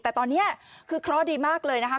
แต่ตอนนี้คือเคราะห์ดีมากเลยนะคะ